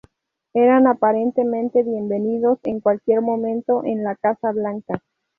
Eran, aparentemente, bienvenidos en cualquier momento en la Casa Blanca.